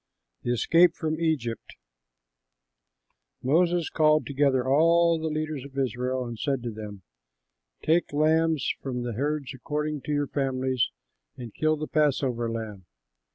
THE ESCAPE FROM EGYPT Moses called together all the leaders of Israel, and said to them, "Take lambs from the herds according to your families and kill the passover lamb.